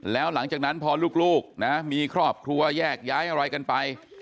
แล้วหลังจากนั้นพอลูกนะมีครอบครัวแยกย้ายอะไรกันไป